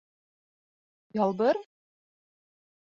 — Ялбыр?!